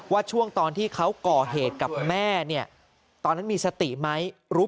ว่าช่วงตอนที่เขาก่อเหตุกับแม่เนี่ยตอนนั้นมีสติไหมรู้